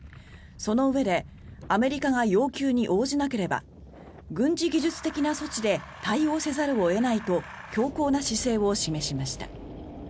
そのうえでアメリカが要求に応じなければ軍事技術的な措置で対応せざるを得ないと強硬な姿勢を示しました。